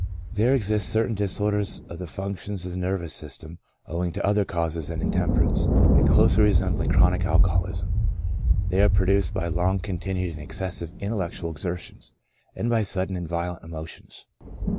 There exist certain disorders of the functions of the nervous system owing to other causes than intemperance, and closely resembling chronic alcoholism ; they are pro duced by long continued and excessive intellectual exertions, and by sudden and violent emotions.